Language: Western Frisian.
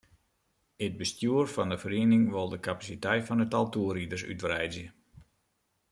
It bestjoer fan de feriening wol de kapasiteit fan it tal toerriders útwreidzje.